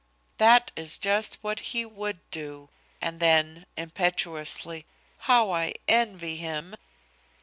"That is just what he would do," and then, impetuously, "how I envy him!"